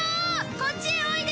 こっちへおいで！